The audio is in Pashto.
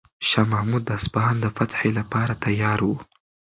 شاه محمود د اصفهان د فتح لپاره تیار و.